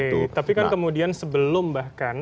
betul tapi kan kemudian sebelum bahkan